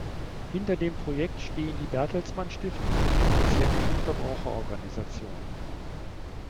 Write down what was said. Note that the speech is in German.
Hinter dem Projekt stehen die Bertelsmann Stiftung sowie Patienten- und Verbraucherorganisationen.